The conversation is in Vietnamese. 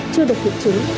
chưa được thực chứng